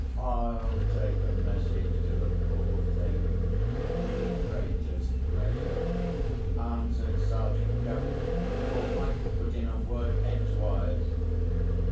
"I'll take a message to the poor thing, with the greatest pleasure," answered Sergeant Cuff, before I could put in a word edgewise.